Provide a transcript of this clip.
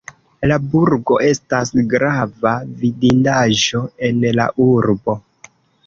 La burgo estas grava vidindaĵo en la urbo.